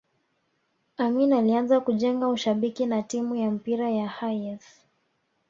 Amin alianza kujenga ushabiki na timu ya mpira ya Hayes